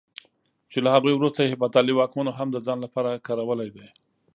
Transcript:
چې له هغوی وروسته هېپتالي واکمنو هم د ځان لپاره کارولی دی.